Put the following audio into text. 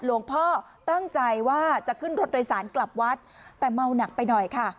หลวงพ่อตั้งใจว่าจะขึ้นรถโดยสารกลับวัดแต่เมาหนักไปหน่อยค่ะ